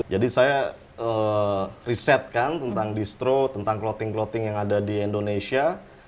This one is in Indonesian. jadi saya riset kan tentang distro tentang clothing clothing yang ada di indonesia